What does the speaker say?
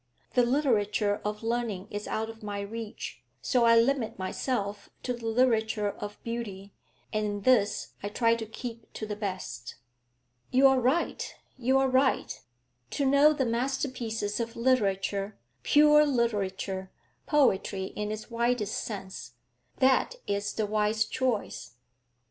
The literature of learning is out of my reach, so I limit myself to the literature of beauty, and in this I try to keep to the best.' 'You are right, you are right! To know the masterpieces of literature, pure literature, poetry in its widest sense; that is the wise choice.